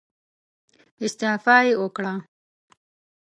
استعفا يې وکړه.